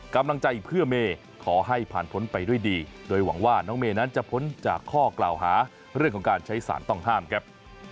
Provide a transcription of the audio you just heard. กำลังใจเพื่อเมย์ขอให้ผ่านพ้นไปด้วยดีโดยหวังว่าน้องเมย์นั้นจะพ้นจากข้อกล่าวหาเรื่องของการใช้สารต้องห้ามครับ